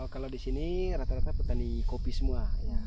kalau di sini rata rata petani kopi semua